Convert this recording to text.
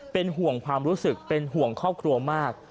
เป็นห่วงความรู้สึกเป็นห่วงครอบครัวมาก